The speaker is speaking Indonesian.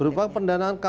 berupa apa insentifnya